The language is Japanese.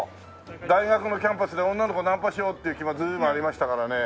大学のキャンパスで女の子ナンパしようっていう気も随分ありましたからね。